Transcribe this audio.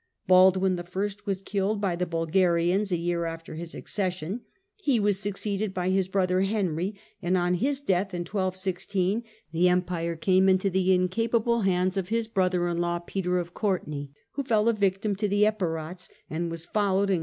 Baldwin I. was killed by the Bulgarians a year after his accession ; he was succeeded by his brother Henry, and on his death in 1216 the Empire came into the Henry, incapable hands of his brother in law Peter of Courtenay, pete'r of who fell a victim to the Epirots, and was followed in ^71^.